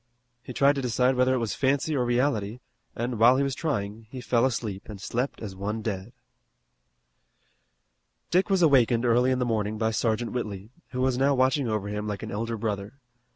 He tried to decide whether it was fancy or reality, and, while he was trying, he fell asleep and slept as one dead. Dick was awakened early in the morning by Sergeant Whitley, who was now watching over him like an elder brother.